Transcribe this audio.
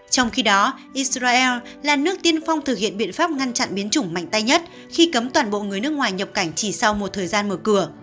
trong khi đó israel là nước tiên phong thực hiện biện pháp ngăn chặn biến chủng mạnh tay nhất khi cấm toàn bộ người nước ngoài nhập cảnh chỉ sau một thời gian mở cửa